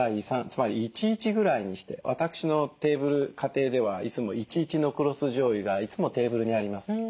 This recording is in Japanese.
つまり１：１ぐらいにして私のテーブル家庭ではいつも１：１の黒酢じょうゆがいつもテーブルにあります。